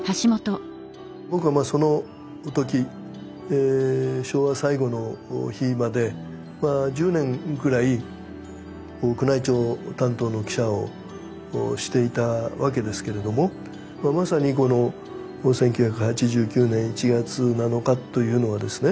僕はそのとき昭和最後の日まで１０年ぐらい宮内庁担当の記者をしていたわけですけれどもまさにこの１９８９年１月７日というのはですね